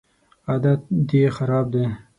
عادت دي خراب دی